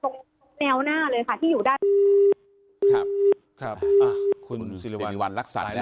ตรงแนวหน้าเลยค่ะที่อยู่ด้านครับครับอ่ะคุณสิริวรีวัณรักษัตริย์